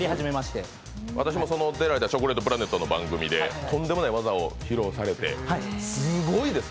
私も出たチョコレートプラネットの番組でとんでもない技を披露されて、すごいです。